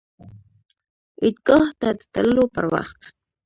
عیدګاه ته د تللو پر وخت